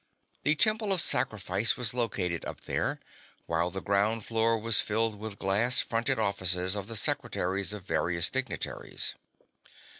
The Temple of Sacrifice was located up there, while the ground floor was filled with glass fronted offices of the secretaries of various dignitaries.